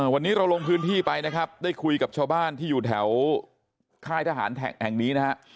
วันนี้เราลงพื้นที่ไปนะครับได้คุยกับชาวบ้านที่อยู่แถวค่ายทหารแห่งนี้นะฮะ